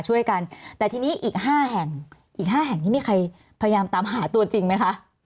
ช่วยกันแต่ทีนี้อีกห้าแห่งอีก๕แห่งนี้มีใครพยายามตามหาตัวจริงไหมคะ